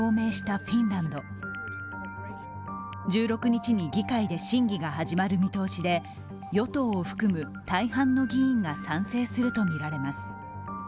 １６日に議会で審議が始まる見通しで与党を含む大半の議員が賛成するとみられます。